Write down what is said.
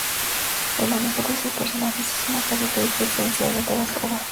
El manejo de sus personajes es una característica esencial en toda su obra.